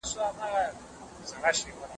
څېړونکی د متن کره کتنه څنګه بشپړوي؟